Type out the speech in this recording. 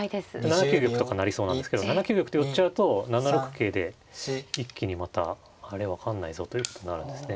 ７九玉とかなりそうなんですけど７九玉と寄っちゃうと７六桂で一気にまたあれ分かんないぞということになるんですね。